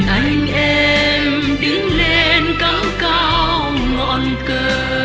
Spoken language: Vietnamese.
hãy đăng ký kênh để ủng hộ kênh của mình nhé